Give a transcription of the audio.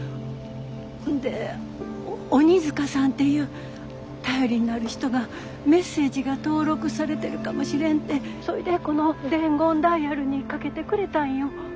ほんで鬼塚さんっていう頼りになる人がメッセージが登録されてるかもしれんってそいでこの伝言ダイヤルにかけてくれたんよ。